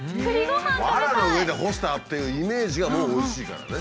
わらの上で干したっていうイメージがもうおいしいからね。